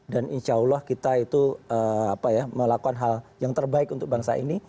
dan insya allah kita itu melakukan hal yang terbaik untuk bangsa ini